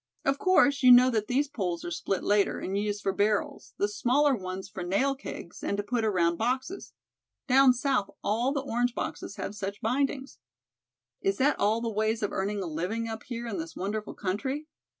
Of course, you know that these poles are split later, and used for barrels, the smaller ones for nail kegs, and to put around boxes. Down South all the orange boxes have such bindings." "Is that all the ways of earning a living up here in this wonderful country?"